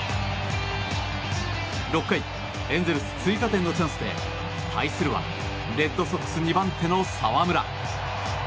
６回、エンゼルス追加点のチャンスで対するはレッドソックス２番手の澤村。